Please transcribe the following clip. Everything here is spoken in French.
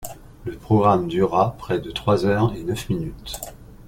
Le programme dura près de trois heures et neuf minutes.